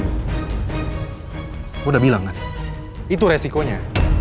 aku udah bilang kan itu resikonya